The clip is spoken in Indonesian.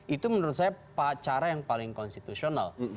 itu menurut saya cara yang paling konstitusional